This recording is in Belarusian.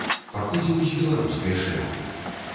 Паходзіў з беларускай шляхты.